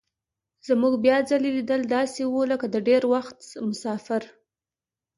زموږ بیا ځلي لیدل داسې وو لکه د ډېر وخت مسافر.